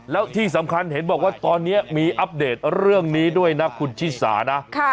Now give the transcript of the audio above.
แล้วที่สำคัญเห็นบอกว่าตอนนี้มีอัปเดตเรื่องนี้ด้วยนะคุณชิสานะ